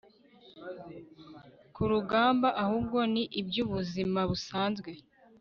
kurugamba, ahubwo ni iby'ubuzima busanzwe